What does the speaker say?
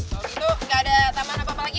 kalau gitu gak ada taman apa apa lagi ya